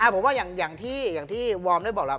ผมว่าอย่างที่วอร์มได้บอกแล้ว